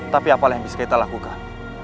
tapi apalah yang bisa kita lakukan